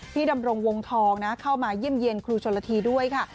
ดำรงวงทองนะเข้ามาเยี่ยมเยี่ยนครูชนละทีด้วยค่ะ